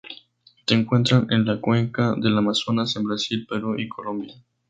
Se encuentran en la Cuenca del Amazonas, en Brasil, Perú y Colombia.